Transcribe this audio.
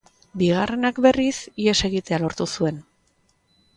Bigarrenak, berriz, ihes egitea lortu zuen.